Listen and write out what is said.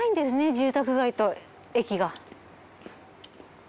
住宅街と駅が。